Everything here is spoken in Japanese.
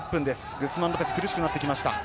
グスマン・ロペス苦しくなってきました。